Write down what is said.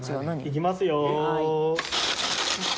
いきますよ。